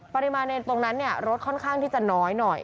ปริมาณในตรงนั้นรถค่อนข้างที่จะน้อยหน่อย